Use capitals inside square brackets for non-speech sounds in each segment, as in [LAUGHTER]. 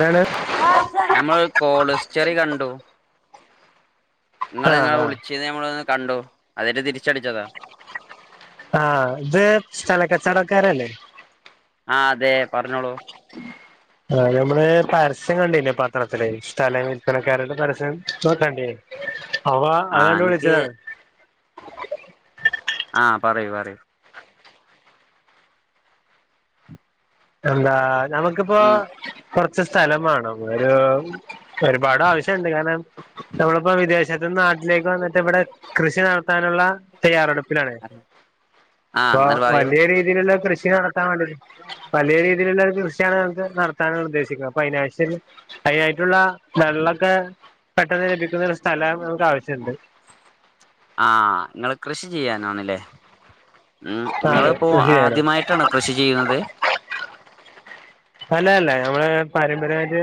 ന്താണ് [INAUDIBLE] നമ്മൾ കോളിസ്റ്റെറി കണ്ടു നിങ്ങള നിങ്ങെ ആഹ് ആഹ് വിളിച്ച നമ്മള ഒന്ന് കണ്ടു അതട്ട് തിരിച്ചടിച്ചതാ ആഹ ഇത് സ്ഥലക്കച്ചവടക്കാരല്ലേ ആഹ അതെ പറഞ്ഞോളൂ ആ നമ്മള് പരസ്യം കണ്ടന്നെ പത്രത്തില് സ്ഥലം കണക്കാരടെ പരസ്യം നോക്കണ്ടേ അവ ആ അത് കണ്ട് എനിക്ക് വിളിച്ചതാണ് ആഹ പറയൂ പറയൂ എന്താ നമുക്കിപ്പോ ഉം കൊറച്ച് സ്ഥലം വേണം ഒരു ഒരുപാട് ആവശ്യണ്ട് കാരണം നമ്മളിപ്പോ വിദേശത്തന്ന് [UNINTELLIGIBLE] വീട്ടിലേക്ക് വന്നിട്ട് ഇവിടെ കൃഷി നടത്താനുള്ള തയ്യാറെടുപ്പിലാണ് ആ ഇപ്പ എന്നിട്ട് പറയൂ വലിയ രീതിയിലുള്ള കൃഷി നടത്താൻ വേണ്ടി വലിയ രീതിയിലുള്ള ഒരു കൃഷി [UNINTELLIGIBLE] നടത്താനണ് ഉദ്ദേശിക്കുന്നത് അതിനായൽ അതിനായിട്ടുള്ള വെള്ളൊക്കെ പെട്ടത് ആഹ നിങ്ങൾ കൃഷി ചെയ്യാനാണല്ലേ ഉം അതെ നിങ്ങളിപ്പോ കൃഷി ചെയ്യാനോ ആദ്യമായിട്ടാണ കൃഷി ചെയ്യുന്നത് അല്ലല്ല നമ്മള് പാരമ്പര്യമായിട്ട്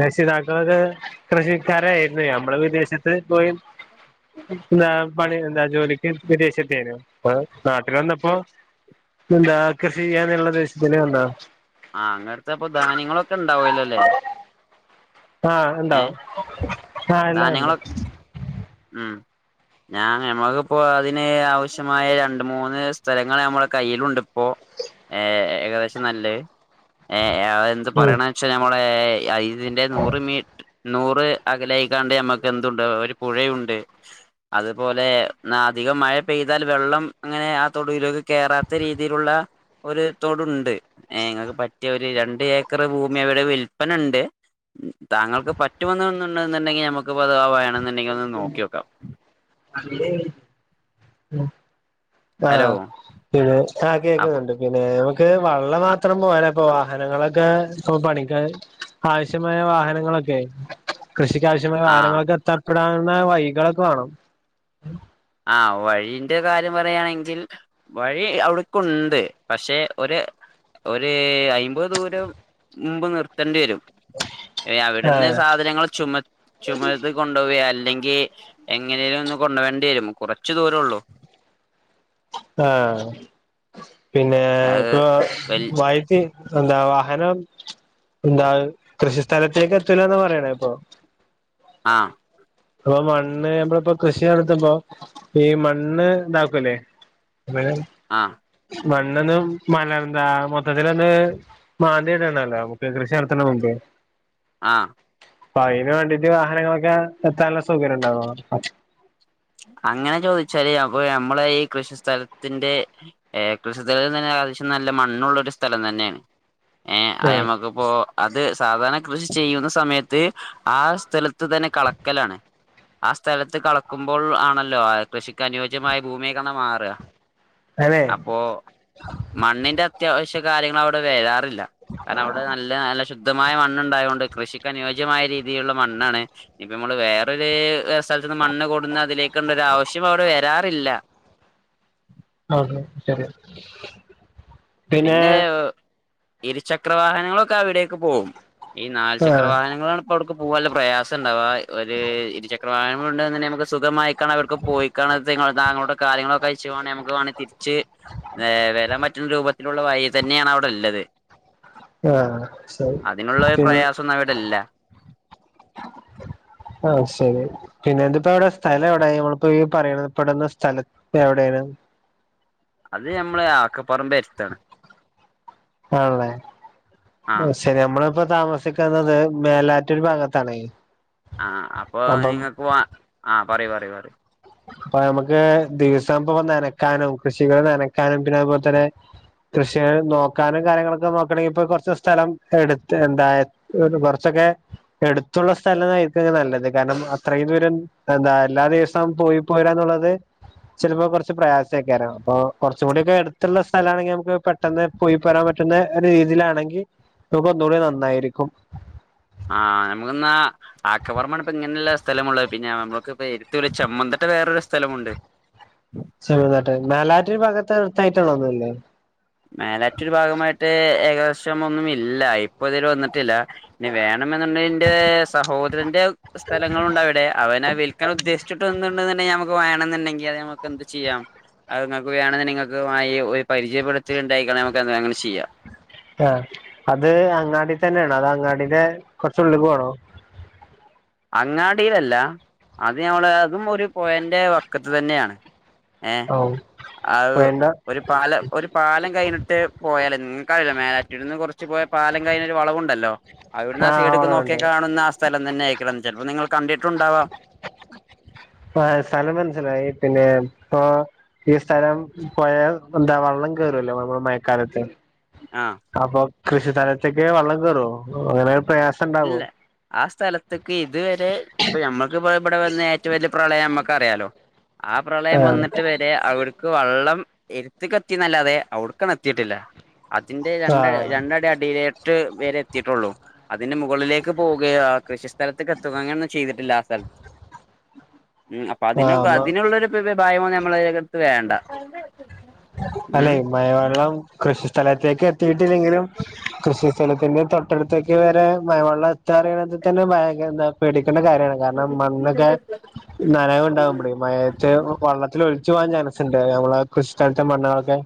രക്ഷിതാക്കൾ [UNINTELLIGIBLE] കൃഷിക്കര നമ്മള് വിദേശത്ത് പോയി എന്താ പണി എന്താ ജോലിക്ക് വിദേശത്തേനും അപ്പൊ നാട്ടിൽ വന്നപ്പോ നിന്താ കൃഷിച്ചെയ്‌നള്ള [UNINTELLIGIBLE] ആഹ അങ്ങനടുത്തെ ഇപ്പൊ ധാന്യങ്ങളൊക്കെ ഇണ്ടാവൂലോല്ലേ ആഹ ഉണ്ടാവ ആഹ എല്ലാം ഉണ്ട് ധാന്യങ്ങളൊ ഉം ഞാൻ ഞമ്മക്കിപ്പോ അതിന് ആവശ്യമായ രണ്ട മൂന്ന് സ്ഥലങ്ങൾ നമ്മള കയ്യിലുണ്ട് ഇപ്പോ ഏ ഏകദേശം നല്ല ഏ എന്ത് ഉം പറയണ വെച്ചൽ നമ്മള അ ഇതിന്റെ നൂറ് മീ നൂറ് അകലായികാണ്ട് മ്മക്ക് എന്തുണ്ട് ഒരു പുഴയുണ്ട് അതുപോലെ അധികം മഴ പെയ്താൽ വെള്ളം അങ്ങനെ ആ തൊഴിലക്ക് കയറാത്ത രീതിയിലുള്ള ഒരു തൊടുണ്ട് നിങ്ങൾക്ക് പറ്റിയ ഒരു രണ്ട് ഏക്കർ ഭൂമി അവിടെ വിൽപന ഉണ്ട് താങ്കൾക്ക് പറ്റുമണ്ടുണ്ടെങ്കിൽ നമുക്ക് ക്ക് പവാവ ആണെന്നുണ്ടെങ്കിൽ ഒന്ന് നോക്കി വോക്കാം ആഹ് പിന്നെ ആ അപ്പൊ കേക്കുന്നുണ്ട് പിന്നെ ക്ക് വെള്ളം മാത്രം പോയാല ഇപ്പൊ വാഹനങ്ങളൊക്കെ ഇ പണിക്ക ആവശ്യമായ വാഹനങ്ങളൊക്കെയി കൃഷിക്കാവശ്യമായ ആഹ് വാഹനങ്ങളൊക്കെ എത്താപ്പെടാവുന്ന വൈകളൊക്കെ വേണം ആ വഴിന്റെ കാര്യം പറയുകയാണെങ്കിൽ വഴി അവിടക്കുണ്ട് പക്ഷെ ഒരു ഒരു അയിമ്പത് ദൂരം മുമ്പ് നിർത്തേണ്ടി വരും അവിടെന്ന് ആഹ് സാധനങ്ങൾ ചുമ ചുമത്ത് കൊണ്ടുപോയിയല്ല അല്ലെങ്കിൽ എങ്ങനേലും ഒന്ന് കൊണ്ട വേണ്ടി വരും കുറച്ചു ദൂരള്ളൂ ആഹ പിന്നെ അത് ഇപ്പൊ വൽ [UNINTELLIGIBLE] എന്താവാ വഹനം എന്താ കൃഷിസ്ഥലത്തേക്ക് എത്തലന്ന് പറയണ ഇപ്പൊ ആഹ അപ്പൊ മണ്ണ് നമ്മള ഇപ്പോ കൃഷി നടത്തുമ്പോ ഈ മണ്ണ് ഇതാക്കുംല്ലേ [INAUDIBLE] ആഹ മണ്ണൊന്നന്ന് മലർന്താ മൊത്തത്തിലൊന്ന് മാന്തിയിട്ടണല്ലോ നമുക്ക് കൃഷി നടത്തണ മുമ്പ് ആ അപ്പൊയിൻ വേണ്ടിട്ട് വാഹനങ്ങളൊക്കെ എത്താനുള്ള സൗകര്യം ഉണ്ടാവോ? അങ്ങനെ ചോദിച്ചാല് അപ്പൊ നമ്മളെ ഈ കൃഷിസ്ഥലത്തിന്റെ, കൃഷിസ്ഥല- ശ്യം നല്ല മണ്ണുള്ള ഒരു സ്ഥലം തന്നെ ആണ്. ഏ ആഹ് അനമ്മക്കിപ്പോ, അത് സാധാരണ കൃഷി ചെയ്യുന്ന സമയത്ത് ത്ത് ആ സ്ഥലത്ത് തന്നെ കളക്കലാണ്. ആ സ്ഥലത്ത് കളക്ക മ്പോൾ ആണല്ലോ ആ കൃഷിക്ക് അനുയോജ്യമായ ഭൂമി ആയിക്കണ്ട മാറ. അതെ അപ്പോ മണ്ണിന്റെ അത്യാവശ്യ കാര്യങ്ങൾ അവിടെ വേരാറ ല്ല. കാരണം അവിടെ നല്ല, നല്ല ശുദ്ധമായ മണ്ണ ഉണ്ടായൊണ്ട് കൃഷിക്ക നുയോജ്യ മായ രീതിയിലുള്ള മണ്ണാണ്. ഇനിപ്പോ നമ്മൾ വേറൊരു സ്ഥലത്തുന്നു മണ്ണ് കൊണ്ട അതിലേക്കണ്ടൊരാവശ്യം അവിടെ വരാറില്ല. അതെ ശരി. പിന്നെ ഇരുചക്രവാാഹനങ്ങളൊക്കെ അവിടേക്ക് പോവും. ഈ നാല് ചക്ര ആഹ് വാഹനങ്ങളാണ് ഇപ്പ അവിടുക്ക് പോകുനുള്ള പ്രയാസം ഉണ്ടാവാ. ഒരു ഇരുചക്ര പ്രായം [UNINTELLIGIBLE] നമുക്ക് സുഖമായിക്കാണ്ട് അവിടുത്തെ [UNINTELLIGIBLE] പോയിക്ക താങ്കുടെ കാര്യങ്ങളൊക്കെ [INAUDIBLE] നമക്ക് വേണങ്കിൽ [UNINTELLIGIBLE] കുച്ച് ഏ വരാൻ പറ്റുന്ന രൂപത്തിലുള്ള വഴി തന്നെയാണ് അവിടെ ഉള്ളത്. ആഹ് ശരി അതിനുള്ളരു പിന്നെ പ്രയാസൊന്നും അവിടെല്ല. ആ. ശരി പിന്നെ ഇതിപ്പോ എവടെ. സ്ഥലം എവിടെ? നമ്മളിപ്പോ പറയണ പെടുന്ന സ്ഥലത്ത് എവിടെയാണ്? അത് ഞമ്മള് ആക്കപറമ്പ് എടുത്താണ്. ആണല്ലേ. ആഹ് ശരി നമ്മള്. താമസിക്കുന്നത് മേലാറ്റുര് ഭാഗത്താണെ. ആഹ അപ്പൊ നിങ്ങൾക്ക്. ആഹ പറി, പറി, പറി. അപ്പൊ നമമ്മുക്ക് ദിവസം ഇപ്പ നനക്കാനും കൃഷികൾ നനക്കാനും പിന്നെ അതുപോലെ തന്നെ കൃഷി നോക്കാനും കാര്യങ്ങളൊക്കെ നോക്കയാണെങ്കിൽ ഇപ്പൊ കുറച്ച് സ്ഥലം എടുത്ത് എന്തായ കുറച്ചൊക്കെ എടുത്തുള്ള സ്ഥലായിരിക്കും നല്ലത് കാരണം അത്രയും ദൂരം എന്താ എല്ലാ ദിവസവും പോയി പോരാന്നുള്ളത്. ചിലപ്പോ കുറച്ച് പ്രയാസയ്ക്കാരം. അപ്പൊ കുറച്ചും കൂടി ഒക്കെ എടുത്തുള്ള സ്ഥല ആണെങ്കിൽ നമുക്ക് പെട്ടെന്ന് പോയി പോരാൻ പറ്റും. പറ്റുന്ന രീതിയിലാണെങ്കിൽ നമക് ഒന്നുകൂടി നന്നായിരിക്കും. ആഹ് നമുക്കിന്നാ ആക്കപറമ്പാണ് ഇപ്പ ഇങ്ങനെയുള്ള സ്ഥലമുള്ളത്. പിന്നെ നമുക്ക് ചെമ്മന്ന്ത [UNINTELLIGIBLE] വേറരു സ്ഥലമുണ്ട് ചെമ്മൻതട്ടെ. മേലാറ്റൂർ ഭാഗത്തു ട്ടയിട്ടാണോ ഇതുള്ളത്. മേലാറ്റൂർ ഭാഗം മറ്റേ ഏകദേശം ഒന്നും ഇല്ലാ. ഇപ്പൊ ഇതിൽ ല്ല. ഞ്ഞു വേണെന്നുണ്ടെങ്കി എന്റെ സഹോദരന്റെ സ്ഥലങ്ങളണ്ട് അവിടെ അവന വിൽ ക്കാൻ ഉദ്ദേശിച്ചിട്ട്ണ്ടുണ്ടെങ്കിൽ നമുക്ക് വേണം എന്നുണ്ടെങ്കിൽ അത് നമുക്ക് എന്ത് ചെയ്യാം. അത് നിങ്ങൾക്ക് വേണമെന്ന്ണ്ടെങ്കിൽ നിങ്ങൾക്ക് ഒരു പരിചയപ്പെടുത്തി ഉണ്ടായിക്ണ് നമക്ക് അങ്ങനെ ചെയ്യാം. ആഹ അത് അങ്ങാടി തന്നെ ആണോ. അതോ അങ്ങാടന്റെ കുറച്ചു ഉള്ളുക്ക് പോണോ? അങ്ങാടിയിലല്ല. അത് ഞമ്മളെ, അതും ഒരു പൊഴാന്റെ വക്കത്ത് തന്നെയാണ്. ഓ. ആ പോയന്റ ഒരു പാലം, ഒരു പാലം കഴിഞ്ഞിട്ട് പോയാലേ നിങ്ങക്കാ മേലാറ്റൂരിന്നു കുറച്ച് പോയ പാലം കഴിഞ്ഞൊരു വളവുണ്ടല്ലോ. അവിടുന്നാ ആഹ് സൈഡിക്ക് നോക്കിയ ഓളമുണ്ട് കാണുന്ന സ്ഥലം തന്നെ ആയിരിക്കും. അപ്പൊ നിങ്ങൾ കണ്ടിട്ടുണ്ടാവാം. ആ സ്ഥലം മനസ്സിലായി പിന്നെ ഇപ്പൊ ഈ സ്ഥലം പോഴ, എന്താ വള്ളം കേറുവല്ലോ നമ്മൾ മഴക്കാലത്ത്? ആഹ് അപ്പൊ കൃഷി സ്ഥലത്തൊക്കെ വെള്ളം കേറോ, അങ്ങനെ ഒരു പ്രയാസം ഉണ്ടാവോ? ഇല്ല ആ സ്ഥലത്തക്ക് ഇതുവരെ ഇപ്പൊ നമക്കിപ്പോ ഇവിടെ വന്ന ഏറ്റവും വലിയ പ്രളയം നമ്മക്ക് അറിയാലോ. ആ പ്രളയം ആഹ് വന്നിട്ട് വരെ അവട്ക്ക് വള്ളം എടുത്തക്ക് എത്തിന്നല്ലാതെ അവിടുക്കണ്ട് എത്തിട്ടില്ല. അതിന്റെ രണ്ട ആഹ് രണ്ടടി അടിയിലെ ക്ക വരെ എത്തിട്ടുള്ളൂ. അതിന്റെ മുകളിലേക്ക് പോവുക ആ കൃഷിസ്ഥഥലത്തക്ക് എത്തുക അങ്ങനൊ ഒന്നും ചെയ്തിട്ടില്ല ആ സ്ഥലത്ത് ഉ അപ്പൊ അതിനൊക്ക ആഹ് അതിനുള്ളൊരു ഭായം നമ്മളതിനടുത്ത് വേണ്ട അല്ലെ ഉം മയവള്ളം കൃഷി സ്ഥല ഇക്ക എത്തിയിട്ടില്ലെങ്കിലും കൃഷി സ്ഥലത്തിന്റെ തട്ടടത്തേക്ക് വരെ മ വെള്ളം എത്താ അറിയണൽ തന്നെ ഭയങ്ക [UNINTELLIGIBLE] ണ്ട കാര്യമാണ് കാരണം മണ്ണൊക്കെ നനക ഉണ്ടാകുമ്പടും മയത്ത് വള്ള ഒലിച്ചു പോകാൻ ചാൻസ് ഉണ്ട് നമ്മള കൃഷി സ്ഥലത്തെ മണ്ണൊളൊക്കെ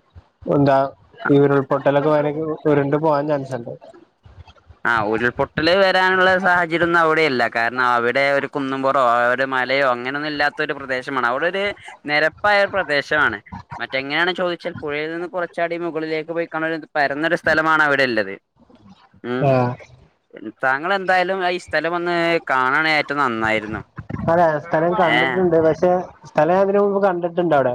എന്താ ഈ ഉരുൾപൊട്ടലൊക്കെ വയ ഉരുണ്ട് പോവാൻ ചാൻസ്ണ്ട്. ആഹ ഉരുൾപൊട്ടൽ വരാനുള്ള സാഹചര്യന്നും അവിടെയില്ല കാരണം അവിടെ ഒരു കുന്നുംപുറം ഒരു മലയോ അങ്ങനെയൊന്നും ഇല്ലാത്ത ഒരു പ്രദേശമാണ് അവിടെ ഒരു നിരപ്പായ പ്രദേശമാണ് മറ്റെങ്ങനെയാണ് ചോ ച്ചാൽ പുഴയിൽ നിന്ന് കുറച്ചാടി മുകളിലേക്ക് പോയിക്ക പരുന്ന ഒരു സ്ഥലമാണ് അവിടെ ഉള്ളത്. ഉം ആഹ താങ്കൾ എന്തായാലും ഈ സ്ഥലം ഒന്ന് കാണണ ഏറ്റവും നന്നായിരുന്നു. അതെ സ്ഥലം ഏ കണ്ടിട്ടുണ്ട് പക്ഷെ തല അതിനന് മുമ്പ് കണ്ടിട്ടുണ്ട് അവിടെ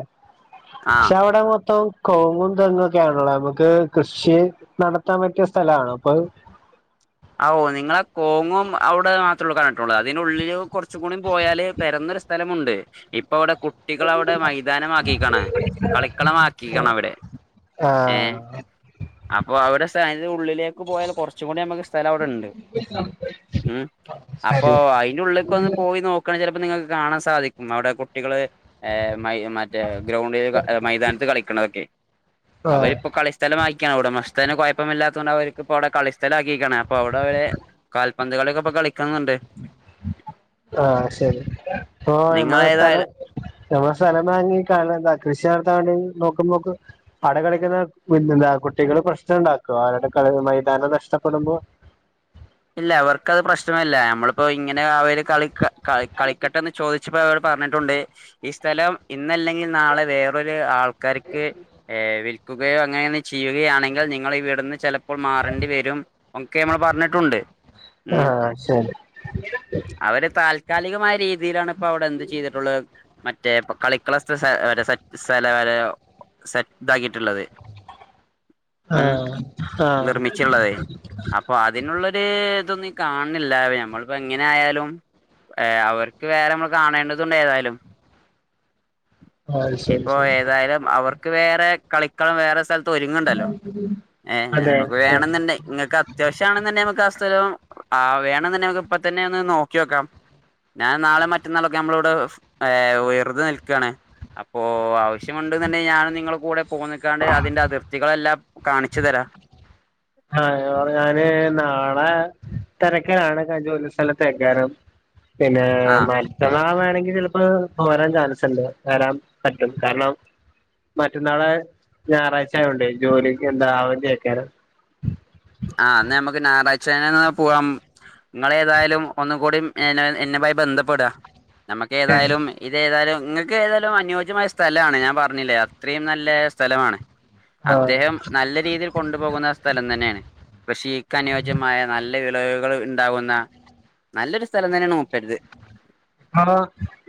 ആഹ് പക്ഷെ അവിടെ മൊത്തം കോ ഇതങ്ങൊക്കെയാണല്ലോ നമുക്ക് കൃഷി നടത്താൻ പറ്റിയ സ്ഥലാണ് അപ്പൊ ഓ നിങ്ങളെ കോങ്ങും അവിടെ [UNINTELLIGIBLE] അതിന് ഉള്ളിൽ കുറച്ച കൂടി പോയാല് പെരുന്നൊ സ്ഥലമുണ്ട്. ഇപ്പ അവിടെ കുട്ടികള അവിടെ മൈതാനമാക്കിക്കാണ് കളിക്കളമാക്കിക്കണ അവിടെ ഏ ആഹ അപ്പൊ അവരുടെ ഉള്ളിലേക്ക് പോയാൽ കുറച്ചും കൂടി നമ്മുക്ക് അവിടുണ്ട് ഉ അപ്പോ ശരി അയിന്റെ ഉള്ളിലേക്കന്ന് പോയി നോ ചിലപ്പോ നിങ്ങൾക്ക് കാണാൻ സാധിക്കും അവിടെ കുട്ടികള് മ മറ്റേ ഗ്രൗണ്ടില് മൈതാനത്ത് കളിക്കണതൊക്കെ ആ അവരിപ്പൊ കളിസ്ഥലം ആക്കിയാണ് ഉടമസ്ഥത്തിന് കുഴപ്പമ ഇല്ലാത്ത അവർക്ക് ഇപ്പോ അവിടെ കളിസ്ഥല ആക്കിയിരിക്കണ അപ്പൊ അവിടെ അവര് കാൽപന്ത കളി ഇപ്പൊ കളിക്കുന്നുണ്ട്. ആഹ ശരി ഇ മ്മള സ്ഥലം നിങ്ങളേതായാലും നമ്മ സ്ഥലം വാങ്ങി കാന എന്താ കൃഷി നടത്താണ്ട നോക്കുമ്പോക്ക് അട കളിക്കുന്ന എന്താ കുട്ടികൾ പ്രശ്നം ഉണ്ടാക്കും ആരുടെ മൈതാനം നഷ്ടപ്പെടുമ്പോ ഇല്ല അവർക്ക് അത് പ്രശ്നമല്ല നമ്മളിപ്പോ ഇങ്ങനെ അവര് കളി കള കളിക്കട്ടെ എന്ന് ചോദിച്ചപ്പോ അവർ പറഞ്ഞിട്ടുണ്ട് ഈ സ്ഥലം ഇന്നല്ലെങ്കിൽ നാളെ വേറൊരു ആൾക്കാർക്ക് വിൽ വക്കുകയോ അങ്ങനെെ ചെയ്യുകയാണെങ്കിൽ നിങ്ങൾ വിടുന്ന് ചിലപ്പോൾ മാറേണ്ടി വരും ഒക്കെ നമ്മൾ പറഞ്ഞിട്ടുണ്ട്. ഉം ആഹ ശരി. കാലികമായ രീതിയിലാണ് ഇപ്പോ അവിടെന്ത് ചെയ്തിട്ടുള്ള? മറ്റേ പ്പ കളിക്കളസ്ഥ [UNINTELLIGIBLE] സ്ഥല വര സെറ്റ്താക്കിട്ടുള്ളത്. ആ മ് ആ നിർമ്മിച്ചുള്ളതെ അപ്പൊതിനുള്ള ഇതൊന്നും കാണില്ല പ്പൊ ഞമ്മളിപ്പോങ്ങനെ യാലും ഏ അവർക്ക് വേറെ മ്മ കാണേണ്ടതുണ്ട് ഏതായാലും. ആ ശരി ഇപ്പൊ ശരി ഏതായാലും അവർക്ക് വേറെ കളിക്കളും വേറെ സ്ഥല ര്ങ്ങണ്ടല്ലോ ഏഹ് അതെ നമക്ക് വേണംന്ന്ണ്ട് ങ്ങക്കത്യാവശ്യണന്നണ്ടി ആ വേണന്നണ്ടി ഇപ്പ തന്നെ ഒന്ന് നോക്കിക്കാം. ഞാൻ നാളെ മറ്റന്നാളൊക്കെ നമ്മളവിടെ ഏ വെറുതെ നിൽക്കണ് അപ്പൊ ആവ ശ്യമുണ്ട്ണ്ടെൽ ഞാൻ നിങ്ങളുടെ കൂടെ പോന്നക്കാണ്ട് അതിന്റെ അതിർത്തികളെല്ലാം കാണിച്ചു തരാം. ആ ഞാന് നാ ആ തിരക്കണ് ജോലി സ്ഥലത്തക്കാരും. പിന്നെ ആ മറ്റന്നാ വേണെങ്കിൽ ചിലപ്പോ പോരാൻ ചാൻസ്ണ്ട് വരാൻ പറ്റും കാരണം. മറ്റന്നാളെ ശെന്ന്നാ പോവാം നിങ്ങളേ ഏതായാലും ഒന്നുംകൂടി എന്നെ എന്നുമായി ബന്ധപ്പെടുക. നമക്ക് ശരി ഏതായാലും ഇത് ഏതായാലും ങ്ങൾക്ക് ഏതാലും അനുയോജ്യമായ സ്ഥലമാണ് ഞാൻ പറഞ്ഞില്ലേ അത്രയും നല്ല സ്ഥലമാണ്. ആഹ് അദ്ദേഹം നല്ല രീതിയിൽ കൊണ്ടുപോകുന്ന സ്ഥലം തന്നെയാണ്. ചീക്കഅനുയോജ്യമായ നല്ല നല്ല വിളവുകൾ ഉണ്ടാവുന്ന നല്ലൊരു സ്ഥലം തന്നെണ് മുപ്പരത്. ആട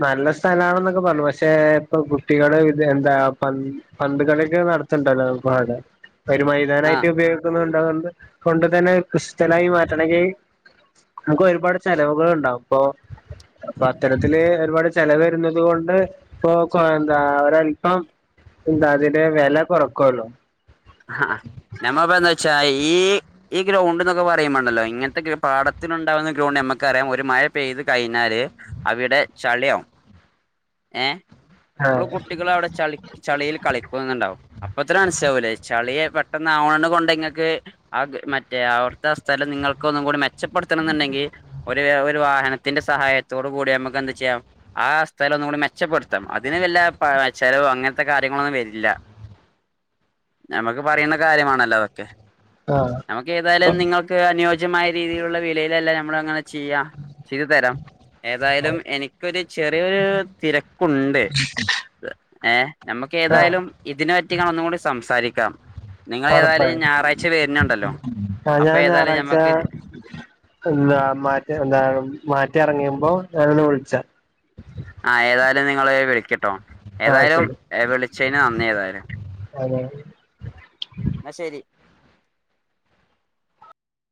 നല്ല സ്ഥലണെന്നൊക്കെ പറഞ്ഞു ക്ഷെ ഇപ്പൊ കുട്ടികള് ഇത് എന്താ പൻ പന്തുകളിയൊക്കെ നടത്തണ്ടല്ലോ പാടെ ഒരു ആഹ് മൈതാനായിട്ട് ഉപയോഗിക്കുന്നോ കൊണ്ട് തന്നെ ക്രിസ്റ്റലായി മാറ്റണെങ്കി നമുക്ക് ഒരുപാട് ചെലവുകൾ ഉണ്ടാവും പ്പൊ അപ്പൊ അത്തരത്തില് ഒരുപാട് ചെ ചെലവരുന്നത് കൊണ്ട് ഇപ്പൊ കൊ എന്താ ഒരല്പം എന്താ അതിന്റെ വില കൊറക്കല്ലോ. ഹാ നമ്മ ബേ ഈ ഈ ഗ്രൗണ്ട് ന്നൊക്കെ പറയുമ്പണ്ടല്ലോ ഇങ്ങനത്തെ പാടത്തിനുണ്ടകുന്ന ഗ്രൗണ്ടമ്മക്കറിയാം ഒരു മ ഴ പെയ്ത് കഴിഞ്ഞാല് അവിടെ ചളിയവും ഏ ഇപ്പളും ആഹ് കുട്ടികൾ അവിടെ ചളി ചളിയിൽ കളിക്കുന്നണ്ടാവും അപ്പത്തന്നെനസ്സിലാവൂലേ കളിയെ പെട്ടെന്നവ്ണകൊണ്ടങ്ങൾക്ക് ആ മറ്റേ അവിടുത്തെ ആ സ്ഥലം നിങ്ങൾക്കൊന്നും കൂടി മെച്ചപ്പെടുത്ത ണ്ടെങ്കി ഒരു വാഹനത്തിന്റെ സഹായത്തോടു കൂടി നമുക്കന്ത് ചെയ്യാം ആ സ്ഥലൊന്നും കൂടി മെച്ച ച്ചപ്പെടുത്താം അതിന് വല്ല പ ചെലവോ അങ്ങനത്തെ കാര്യങ്ങളൊന്നും വരില്ല. നമുക്ക് പറയുന്ന കാര്യമാണല്ലോ അതൊക്കെ ആഹ് നമുക്കേതായാലും നിങ്ങൾക്ക് അനു ജമായ രീതിയിലുള്ള വിലയിലെല്ലാം നമ്മളങ്ങനെ ചെയ്യാം ചെയ്തു തരാം. ഏതായാലും എനിക്കൊരു ചെറിയൊരു തിരക്കുണ്ട്. ഏ നമുക്ക് ആഹ് ഏതായാലും ഇതിനു പറ്റി ഒന്നും കൂടി സംസാരിക്കാം. നിങ്ങ ഏതായാലും ഒറപ്പായും ഞായറാഴ്ച വരുന്നുണ്ടല്ലോ ആ അപ്പൊ ഞാൻ ഏതായാലും ഞായറാഴ്ച ഞമ്മക്ക് ഇത് എന്താ മാറ്റ എന്താ മാറ്റിറങ്ങിയുമ്പോ ഞാനെന്നേ വിളിച്ച ആ ഏതായാലും നിങ്ങള് വിളിക്കിട്ടോ. ആ ഏതായാലും ശരി വിളിച്ചതിന് നന്ദി ഏതായാലും. അതെ ന്ന ശരി.